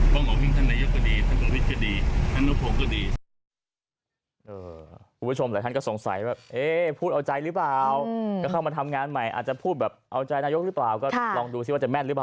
ฟังออกเพียงท่านนายกก็ดีท่านตรวิทย์ก็ดีท่านโนโพงก็ดี